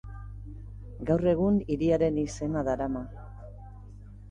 Gaur egun hiriaren izena darama.